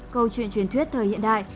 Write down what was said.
câu chuyện truyền thuyết thời hiện đại